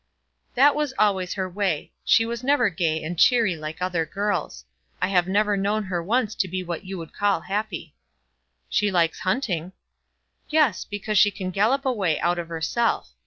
"That was always her way. She was never gay and cheery like other girls. I have never known her once to be what you would call happy." "She likes hunting." "Yes, because she can gallop away out of herself.